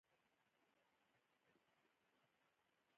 افغان ملت یو احسان پېژندونکی او وفاداره ملت دی.